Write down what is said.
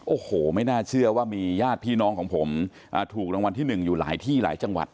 โอ้โหไม่น่าเชื่อว่ามีญาติพี่น้องของผมถูกรางวัลที่๑อยู่หลายที่หลายจังหวัด